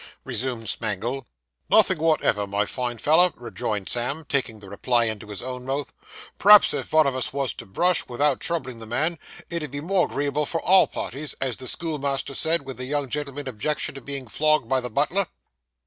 resumed Smangle. 'Nothin' whatever, my fine feller,' rejoined Sam, taking the reply into his own mouth. 'P'raps if vun of us wos to brush, without troubling the man, it 'ud be more agreeable for all parties, as the schoolmaster said when the young gentleman objected to being flogged by the butler.